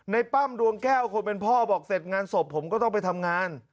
ปั้มดวงแก้วคนเป็นพ่อบอกเสร็จงานศพผมก็ต้องไปทำงาน